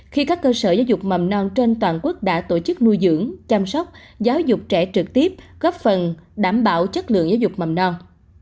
khi các cơ sở giáo dục mầm non trên toàn quốc đã tổ chức nuôi dưỡng chăm sóc giáo dục trẻ trực tiếp góp phần đảm bảo chất lượng giáo dục mầm non